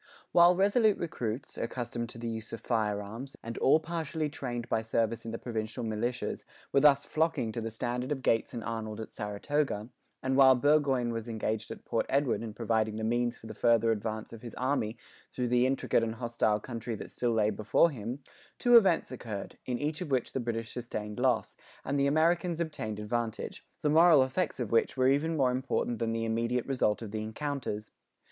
] While resolute recruits, accustomed to the use of fire arms, and all partially trained by service in the provincial militias, were thus flocking to the standard of Gates and Arnold at Saratoga; and while Burgoyne was engaged at Port Edward in providing the means for the further advance of his army through the intricate and hostile country that still lay before him, two events occurred, in each of which the British sustained loss, and the Americans obtained advantage, the moral effects of which were even more important than the immediate result of the encounters.